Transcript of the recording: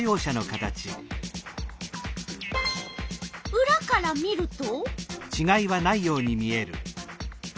うらから見ると？